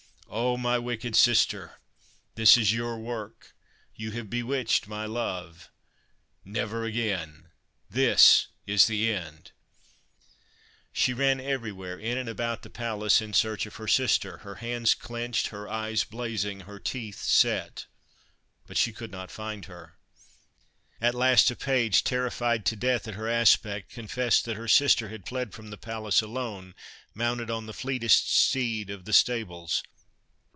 ' Oh I my wicked sister I This is your work. You have bewitched my love I Never again ! This is the end I ' She ran everywhere, in and about the palace, in search of her sister, her hands clenched, her eyes blazing, her teeth set. But she could not find her. At last a page, terrified to death at her aspect, confessed that her sister had fled from the palace alone, mounted on the fleetest steed of the stables.